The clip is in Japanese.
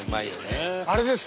あれです。